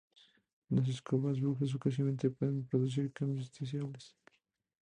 Las escobas de brujas ocasionalmente pueden producir cambios deseables.